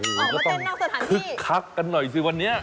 ออกมาเต้นนอกสถานที่คึกคับกันหน่อยซิวันนี้